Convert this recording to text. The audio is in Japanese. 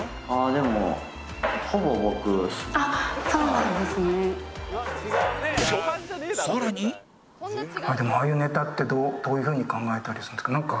でもああいうネタってどういう風に考えたりするんですか？